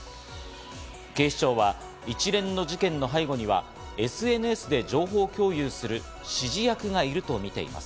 警視庁は一連の事件の背後には、ＳＮＳで情報共有する指示役がいるとみています。